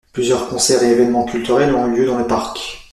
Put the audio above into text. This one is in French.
Plusieurs concerts et évènements culturels ont eu lieu dans le parc.